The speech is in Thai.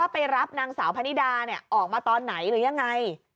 ไปรับนางสาวพนิดาออกมาตอนไหนหรือยังไง